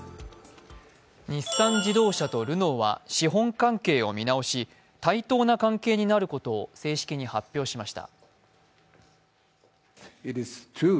日産自動車とルノーは資本関係を見直し対等な関係になることを正式に発表しました。